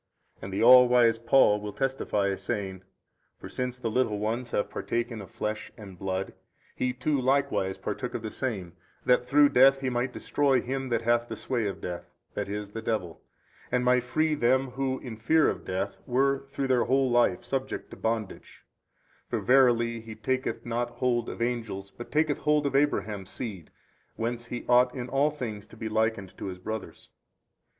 And the all wise Paul will testify saying, For since the little ones have partaken of blood and flesh He too likewise partook of the same that through death He might destroy him that hath the sway of death, that is the devil, and might free them who in fear of death were through their whole life subject to bondage: for verily He taketh not hold of angels but taketh hold of Abraham's seed, whence He ought in all things to be likened to His brothers.